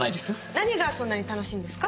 何がそんなに楽しいんですか？